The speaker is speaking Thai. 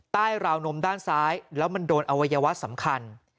ราวนมด้านซ้ายแล้วมันโดนอวัยวะสำคัญ